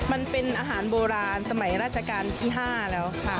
มันเป็นอาหารโบราณสมัยราชการที่๕แล้วค่ะ